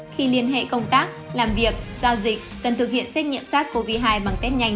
khi liên hệ công tác làm việc giao dịch cần thực hiện xét nghiệm sars cov hai bằng test nhanh